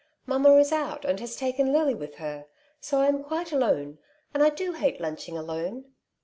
'^ Mamma is out, and has taken Lily with her ; so I am quite alone, and I do hate lunching alone."